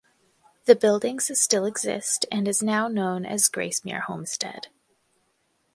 The buildings still exist and is now known as Gracemere Homestead.